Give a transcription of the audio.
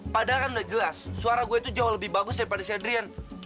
padahal kan udah jelas suara gue tuh jauh lebih bagus daripada si hadrian